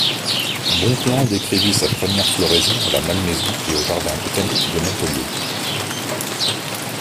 Bonpland décrivit sa première floraison à la Malmaison et au jardin botanique de Montpellier.